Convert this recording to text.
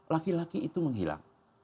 laki laki itu menghilang